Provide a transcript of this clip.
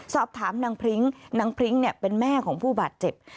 สอบถามนางพริ้งนางพริ้งเป็นแม่ของผู้บาดเจ็บ